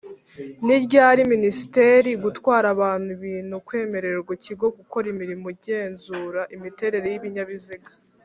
ni ryari ministre gutwara abantu ibintu kwemererwa ikigo gukora imirimo y’igenzura miterere ibinyabiziga